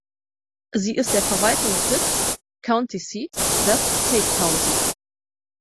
Sie ist der Verwaltungssitz (County Seat) des Tate County.